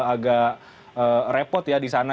agak repot ya disana